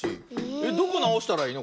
えっどこなおしたらいいの？